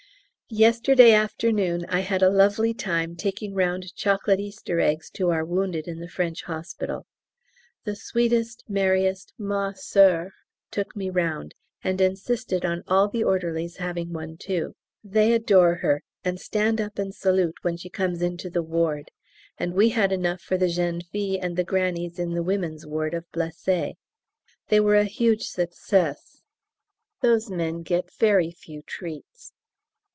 Yesterday afternoon I had a lovely time taking round chocolate Easter eggs to our wounded in the French hospital. The sweetest, merriest Ma Soeur took me round, and insisted on all the orderlies having one too. They adore her, and stand up and salute when she comes into the ward; and we had enough for the jeunes filles and the grannies in the women's ward of blessées. They were a huge success. Those men get very few treats.